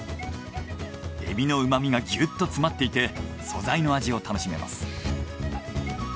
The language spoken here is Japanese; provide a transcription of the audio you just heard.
エビのうまみがギュッと詰まっていて素材の味を楽しめます。